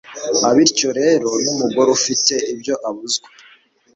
abityo rero n'umugore ufite ibyo abuzwa